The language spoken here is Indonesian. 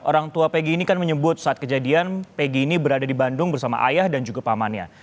orang tua pegi ini kan menyebut saat kejadian pegg ini berada di bandung bersama ayah dan juga pamannya